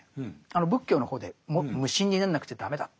仏教の方で無心になんなくちゃ駄目だって。